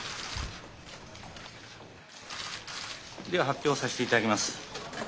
では発表させて頂きます。